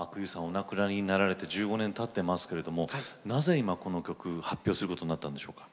お亡くなりになられて１５年たってますけれどもなぜ今この曲発表することになったんでしょうか。